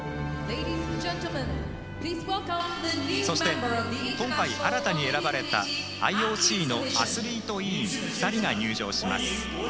そして今回新たに選ばれたＩＯＣのアスリート委員２人が入場します。